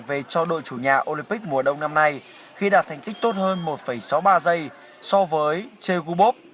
về cho đội chủ nhà olympic mùa đông năm nay khi đạt thành tích tốt hơn một sáu mươi ba giây so với che gubop